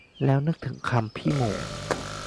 แล้วนึกถึงคำพี่โหม่ง